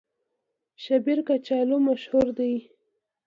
شیبر کچالو مشهور دي؟